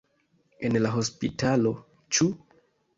En la hospitalo, ĉu?